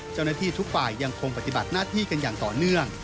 เจ้าหน้าที่ทุกฝ่ายยังคงปฏิบัติหน้าที่กันอย่างต่อเนื่อง